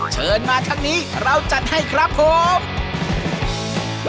เชิญมาทั้งนี้เราจัดให้ครับผม